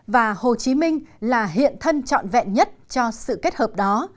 và hồ chí minh là hiện thân trọn vẹn nhất cho sự kết hợp đó